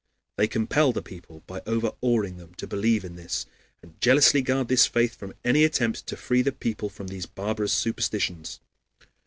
They compel the people, by overawing them, to believe in this, and jealously guard this faith from any attempt to free the people from these barbarous superstitions.